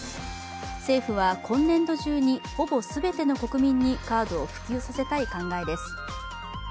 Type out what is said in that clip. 政府は今年度中にほぼ全ての国民にカードを普及させたい考えです。